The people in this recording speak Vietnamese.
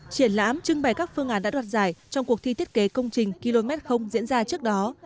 triển lãm trưng bày các phương án đã đoạt giải trong cuộc thi thiết kế công trình km diễn ra trước đó